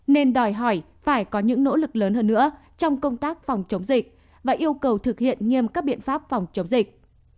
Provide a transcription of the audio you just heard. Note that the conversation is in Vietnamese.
nên đòi hỏi phải có những nỗ lực lớn hơn nữa trong công tác phòng chống dịch và yêu cầu thực hiện nghiêm các biện pháp phòng chống dịch